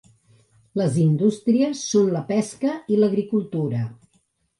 Les indústries són la pesca i l'agricultura.